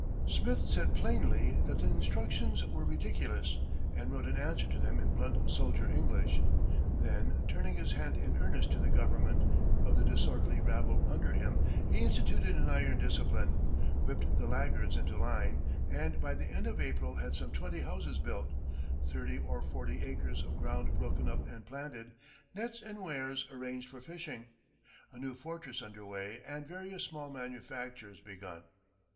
Smith said plainly that the instructions were ridiculous, and wrote an answer to them in blunt soldier English. Then, turning his hand in earnest to the government of the disorderly rabble under him, he instituted an iron discipline, whipped the laggards into line, and by the end of April had some twenty houses built, thirty or forty acres of ground broken up and planted, nets and weirs arranged for fishing, a new fortress under way, and various small manufactures begun.